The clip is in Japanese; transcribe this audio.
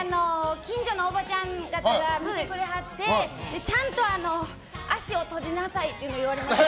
近所のおばちゃん方が見てくれはってちゃんと足を閉じなさいと言われました。